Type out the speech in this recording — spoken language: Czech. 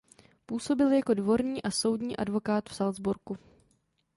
Působil jako dvorní a soudní advokát v Salzburgu.